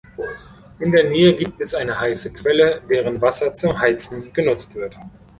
In der Nähe gibt es eine heiße Quelle, deren Wasser zum Heizen benutzt wird.